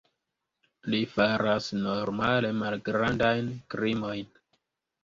Li faras normale malgrandajn krimojn.